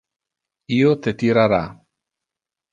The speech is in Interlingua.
Io te tirara.